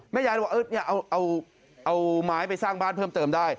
ยายบอกเอาไม้ไปสร้างบ้านเพิ่มเติมได้